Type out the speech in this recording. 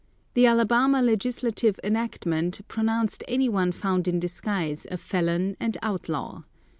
The Alabama legislative enactment pronounced anyone found in disguise a felon and outlaw.